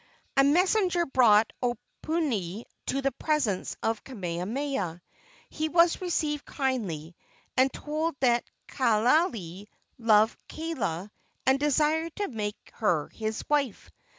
A messenger brought Oponui to the presence of Kamehameha. He was received kindly, and told that Kaaialii loved Kaala and desired to make her his wife.